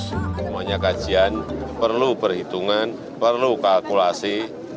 semuanya kajian perlu perhitungan perlu kalkulasi